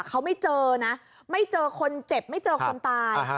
เขาไม่เจอนะไม่เจอคนเจ็บไม่เจอคนตาย